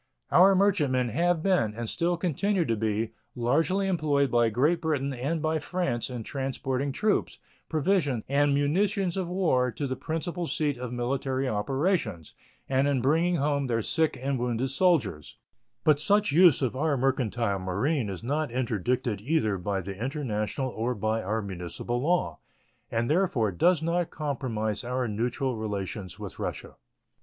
Our merchantmen have been, and still continue to be, largely employed by Great Britain and by France in transporting troops, provisions, and munitions of war to the principal seat of military operations and in bringing home their sick and wounded soldiers; but such use of our mercantile marine is not interdicted either by the international or by our municipal law, and therefore does not compromise our neutral relations with Russia.